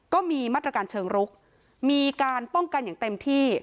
ก็มีมาตรการเชิงรุกมีการป้องกันอย่างเต็มที่